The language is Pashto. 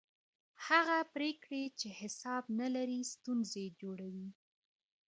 هغه پرېکړې چې حساب نه لري ستونزې جوړوي